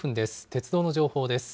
鉄道の情報です。